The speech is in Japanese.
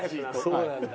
そうなんだ。